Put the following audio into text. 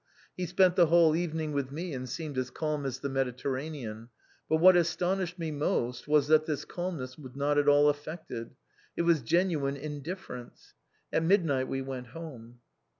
He spent the whole evening with me and seemed as calm as the Mediterranean. But what astonished me most was, that this calmness was not at all affected. It was genuine indifference. At mid night we went home.